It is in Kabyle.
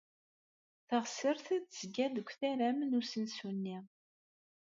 Taɣsert tezga-d deg utaram n usensu-nni.